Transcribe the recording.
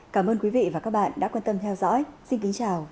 cảm ơn quý vị và các bạn đã quan tâm theo dõi xin kính chào và hẹn gặp lại